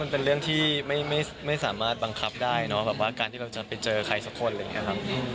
มันเป็นเรื่องที่ไม่สามารถบังคับได้เนอะเป็นว่าเราจะไปเจอใครสักคนเรียกค่ะครับ